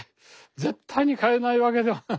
絶対に買えないわけではない。